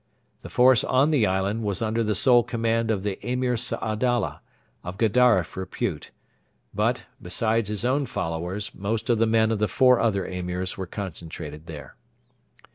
The force on the island was under the sole command of the Emir Saadalla, of Gedaref repute; but, besides his own followers, most of the men of the four other Emirs were concentrated there.